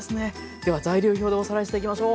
では材料表でおさらいしていきましょう。